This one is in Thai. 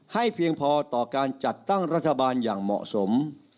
เพียงพอต่อการจัดตั้งรัฐบาลอย่างเหมาะสม